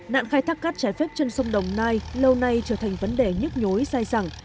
nạn khai thác cát trái phép trên sông đồng nai lâu nay trở thành vấn đề nhức nhối sai dẳng